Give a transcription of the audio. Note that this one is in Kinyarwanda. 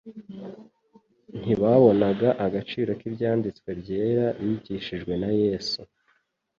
Ntibabonaga agaciro k'Ibyanditswe byera bigishijwe na Yesu.